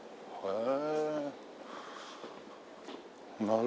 へえ。